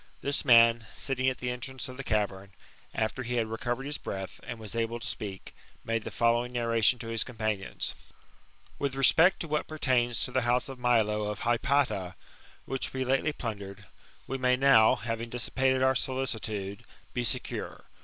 This n^un^ sitting at the entrance to the cavern, after lie had recovered his breathy and was able to speak, made the following narratioa to his companions : ''With respect to what pertains to the house of MUOi of Hypata, which we lately plundered, we may now, having dissipated our solicitude, be secure.